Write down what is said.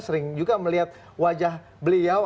sering juga melihat wajah beliau